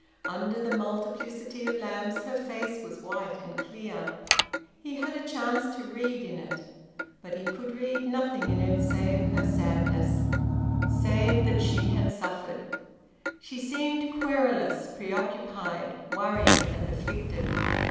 Under the multiplicity of lamps her face was white and clear. He had a chance to read in it. But he could read nothing in it save her sadness, save that she had suffered. She seemed querulous, preoccupied, worried, and afflicted.